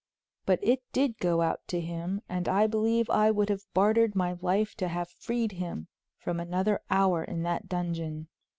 But it did go out to him, and I believe I would have bartered my life to have freed him from another hour in that dungeon.